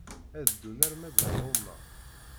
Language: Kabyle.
Ad ddun arma d Roma.